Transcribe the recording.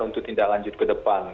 untuk tindak lanjut ke depan